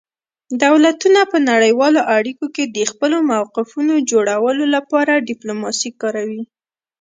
دولتونه په نړیوالو اړیکو کې د خپلو موقفونو جوړولو لپاره ډیپلوماسي کاروي